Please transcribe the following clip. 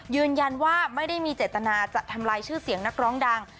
ยืนยันว่าไม่ได้มีเจตนาจะทำลายชื่อเสียงนักร้องดัง